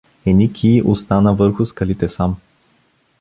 Еникий остана върху скалите сам.